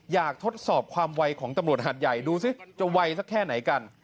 อยากทดสอบความวัยของตำลวดหาดใหญ่ดูซิจะวัยสักแค่ไหนกัน